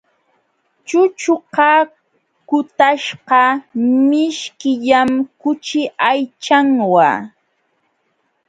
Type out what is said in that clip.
Chuchuqa kutaśhqa mishkillam kuchi aychanwa.